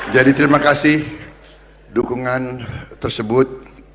jadi terima kasih dukungan tersebut